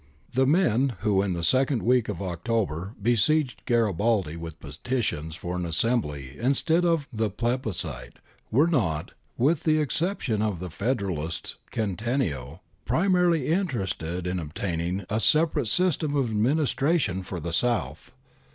The men who in the second week of October be sieged Garibaldi with petitions for an assembly instead of the plebiscite, were not, with the exception of the •federalist' Cattaneo, primarily interested in obtaining a separate system of administration for the South.